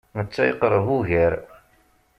Netta yeqreb ugar.